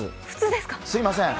すいません。